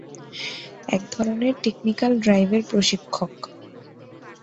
এক ধরণের টেকনিক্যাল ডাইভের প্রশিক্ষক।